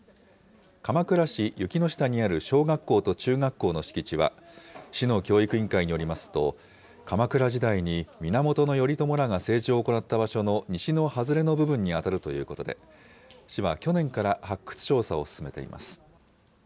鎌倉市雪ノ下にある小学校と中学校の敷地は、市の教育委員会によりますと、鎌倉時代に源頼朝らが政治を行った場所の西の外れの部分に当たるということで、市は去年から発掘調査を進めています。